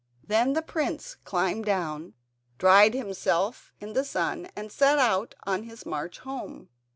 Then the prince climbed down, dried himself in the sun, and set out on his march home.